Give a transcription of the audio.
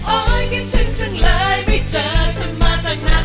โอ้ยกฎทึงจังเลยไม่เจอกันมาตั้งหนา